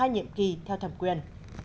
hai nhiệm kỳ theo thẩm quyền